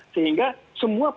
sehingga semua punya